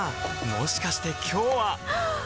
もしかして今日ははっ！